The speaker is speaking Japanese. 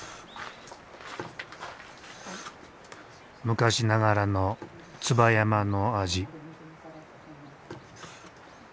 昔ながらの椿山の味。